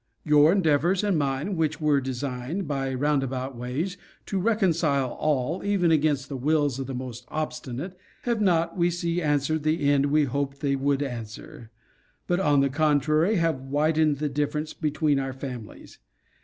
Your endeavours and mine, which were designed, by round about ways, to reconcile all, even against the wills of the most obstinate, have not, we see answered the end we hoped they would answer; but, on the contrary, have widened the differences between our families.